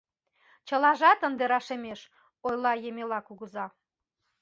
— Чылажат ынде рашемеш, — ойла Емела кугыза.